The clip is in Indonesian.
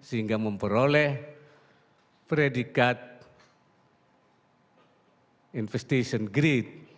sehingga memperoleh predikat investasi grid